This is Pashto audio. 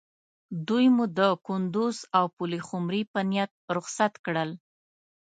دوی مو د کندوز او پلخمري په نیت رخصت کړل.